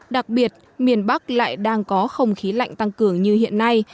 đặc biệt miền bắc lại đang có không khí lạnh tăng cường như hiện nay